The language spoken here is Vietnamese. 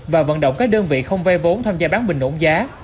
và vận động các đơn vị không vay vốn tham gia bán bình ổn giá